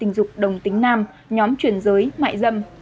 tình dục đồng tính nam nhóm truyền giới mại dâm